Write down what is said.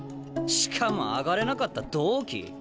しかも上がれなかった同期ぃ？